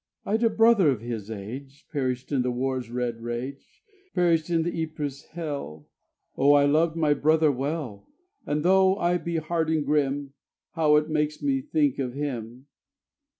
_ I'd a brother of his age Perished in the war's red rage; Perished in the Ypres hell: Oh, I loved my brother well. And though I be hard and grim, How it makes me think of him!